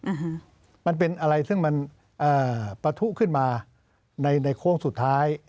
อ่าฮะมันเป็นอะไรซึ่งมันเอ่อปะทุขึ้นมาในในโค้งสุดท้าย